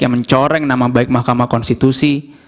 yang mencoreng nama baik mahkamah konstitusi